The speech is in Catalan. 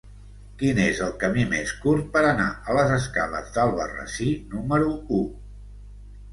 Quin és el camí més curt per anar a les escales d'Albarrasí número u?